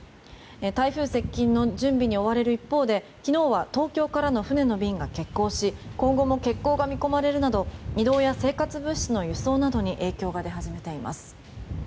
台風接近の準備に追われる一方で昨日は東京からの船の便が欠航し今後も欠航が見込まれるなど移動や生活物資の輸送などに影響が出始めています。